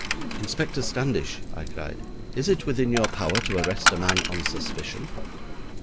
'Inspector Standish,' I cried, 'is it within your power to arrest a man on suspicion?'